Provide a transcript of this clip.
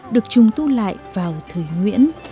được trùng tu lại vào thời nguyễn